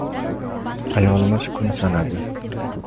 Ayolimiz kun sanadi.